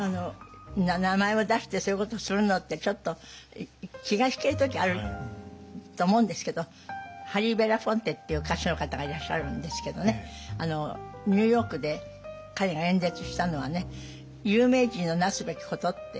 名前を出してそういうことをするのってちょっと気が引ける時あると思うんですけどハリー・ベラフォンテっていう歌手の方がいらっしゃるんですけどねニューヨークで彼が演説したのは有名人のなすべきことって言ったのね。